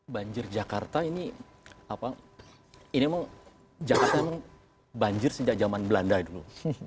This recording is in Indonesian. banjir jakarta ini memang jakarta emang banjir sejak zaman belanda dulu